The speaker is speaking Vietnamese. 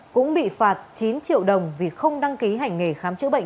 cũng bị phạt chín triệu đồng vì không đăng ký hành nghề khám chữa bệnh